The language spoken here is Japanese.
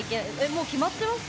もう決まってます？